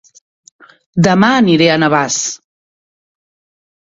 Dema aniré a Navàs